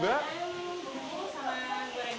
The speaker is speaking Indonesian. belakang bumbu sama goreng goreng